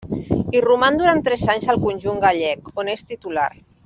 Hi roman durant tres anys al conjunt gallec, on és titular.